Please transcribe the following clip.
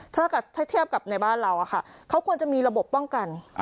ถ้าเทียบกับในบ้านเราเขาควรจะมีระบบป้องกัน